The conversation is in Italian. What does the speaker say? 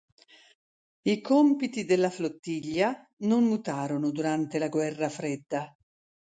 I compiti della Flottiglia non mutarono durante la guerra fredda.